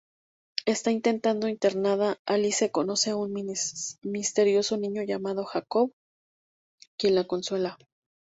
Estando internada, Alice conoce a un misterioso niño llamado Jacob, quien la consuela.